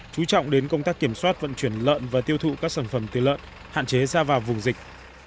chú trọng đến công tác kiểm soát vận chuyển lợn và tiêu thụ các sản phẩm tiêu lợn hạn chế ra vào vùng dịch